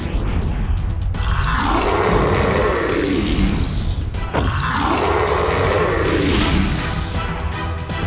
apaan yang akan harus hypothetical